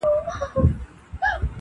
دریم لوری یې د ژوند نه دی لیدلی-